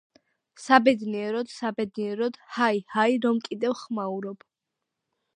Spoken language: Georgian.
საბედნიეროდ, საბედნიეროდ, ჰაი, ჰაი, რომკიდევ ხმაურობ.